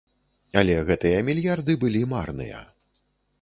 Але гэтыя мільярды былі марныя.